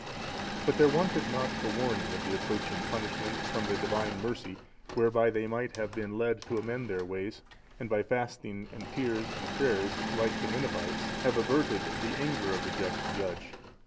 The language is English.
But there wanted not a warning of the approaching punishment from the Divine mercy whereby they might have been led to amend their ways, and by fasting and tears and prayers, like the Ninevites, have averted the anger of the just Judge.